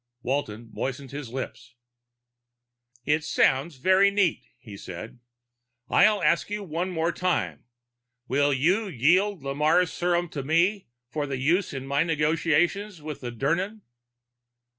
Walton moistened his lips. "It sounds very neat," he said. "I'll ask you one more time: will you yield Lamarre's serum to me for use in my negotiations with the Dirnan?"